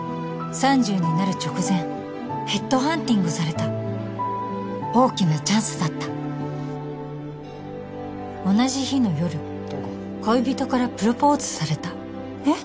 ３０になる直前ヘッドハンティングされた大きなチャンスだった同じ日の夜恋人からプロポーズされたえっ？